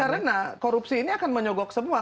karena korupsi ini akan menyogok semua